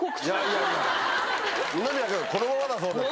二宮君このままだそうです。